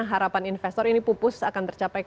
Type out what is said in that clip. harapan investor ini pupus akan tercapai